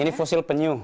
ini fosil penyu